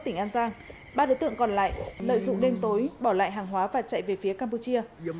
tỉnh an giang ba đối tượng còn lại lợi dụng đêm tối bỏ lại hàng hóa và chạy về phía campuchia